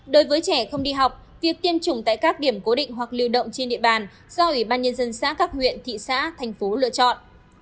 đối với trẻ không đi học việc tiêm chủng tại các điểm cố định hoặc lưu động trên địa bàn do ủy ban nhân dân xã các huyện thị xã thành phố lựa chọn